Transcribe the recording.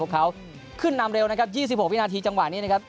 เขาขึ้นนำเร็วนะครับ๒๖วินาทีจังหวะนี้นะครับ